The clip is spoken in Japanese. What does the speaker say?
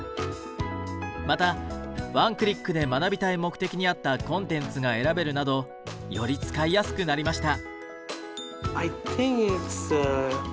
またワンクリックで学びたい目的に合ったコンテンツが選べるなどより使いやすくなりました。